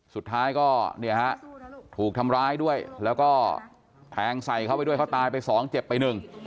สุดท้ายก็เนี่ยฮะถูกทำร้ายด้วยแล้วก็แทงใส่เข้าไปด้วยเขาตายไปสองเจ็บไปหนึ่ง